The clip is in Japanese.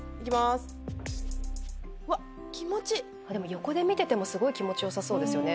横で見ててもすごい気持ちよさそうですよね。